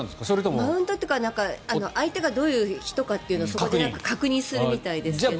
マウントというか相手がどういう人が確認するみたいですけど。